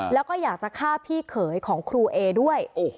แล้วก็อยากจะฆ่าพี่เขยของครูเอด้วย